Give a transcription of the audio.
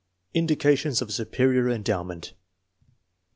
Indications of superior endowment.